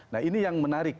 nah ini yang menarik